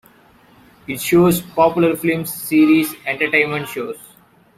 It shows popular films, series, entertainment shows.